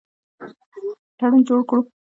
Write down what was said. تړون جوړ کړو.